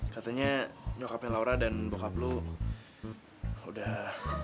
katanya nyokapnya laura dan bokap lo udah